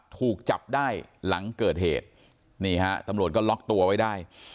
ถูกจับได้หลังเกิดเหตุนี่ฮะตำรวจก็ล็อกตัวไว้ได้